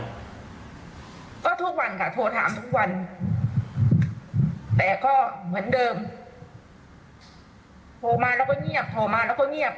ผมไม่ทราบว่าทางสวบคอจะได้รับทราบเคสนี้หรือยังนะ